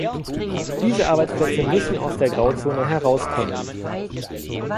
Diese Arbeitsplätze müssen aus der Grauzone herauskommen.